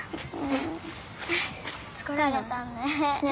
疲れたね。